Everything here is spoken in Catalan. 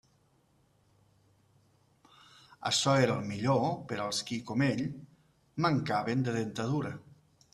Açò era el millor per als qui, com ell, mancaven de dentadura.